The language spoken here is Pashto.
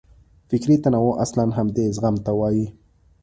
فکري تنوع اصلاً همدې زغم ته وایي.